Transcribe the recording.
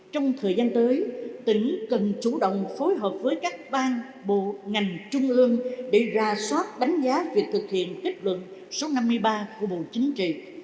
trong thời gian tới tỉnh cần chủ động phối hợp với các bang bộ ngành trung ương để ra soát đánh giá việc thực hiện kết luận số năm mươi ba của bộ chính trị